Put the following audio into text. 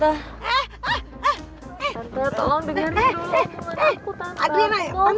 tante tolong dengerin dulu ngomongin aku tante